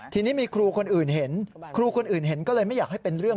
ทีนี้มีครูคนอื่นเห็นครูคนอื่นเห็นก็เลยไม่อยากให้เป็นเรื่อง